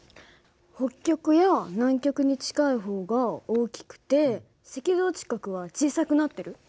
北極や南極に近い方が大きくて赤道近くは小さくなってる。